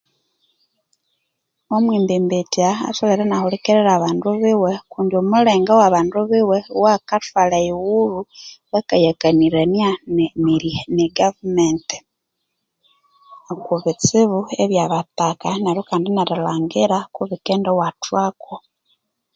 Omwembembetya atholhere inahulhikirira abandu biwe kundi omulenge owabandu biwe wakathwalha eyighulhu akakania negaverment akathwalha ebitsibu byabathaka